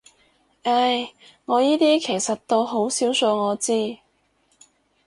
唉，我依啲其實到好少數我知